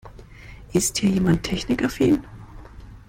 Ist hier jemand technikaffin?